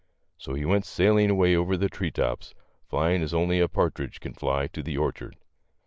So he went sailing away over the tree tops, flying as only a partridge can fly to the orchard.